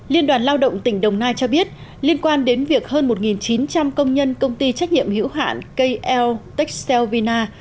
liên đoàn lao động tỉnh đồng nai cho biết liên quan đến việc hơn một chín trăm linh công nhân công ty trách nhiệm hữu hạn kl techel vina